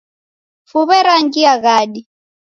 Fuw'e rangia ghadi